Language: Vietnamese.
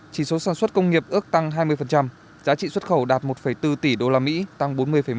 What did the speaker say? chỉ số sản xuất công nghiệp ước tăng hai mươi giá trị xuất khẩu đạt một bốn tỷ usd tăng bốn mươi một